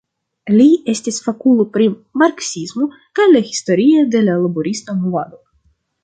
Li estis fakulo pri marksismo kaj la historio de la laborista movado.